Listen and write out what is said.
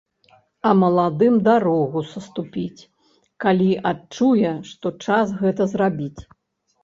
А маладым дарогу саступіць, калі адчуе, што час гэта зрабіць.